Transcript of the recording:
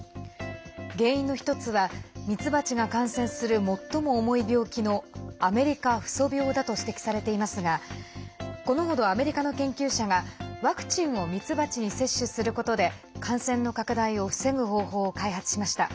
原因の１つはミツバチが感染する最も重い病気のアメリカふそ病だと指摘されていますがこの程、アメリカの研究者がワクチンをミツバチに接種することで感染の拡大を防ぐ方法を開発しました。